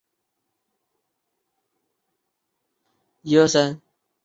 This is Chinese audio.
在今天安微省睢溪县与江苏省沛县一带。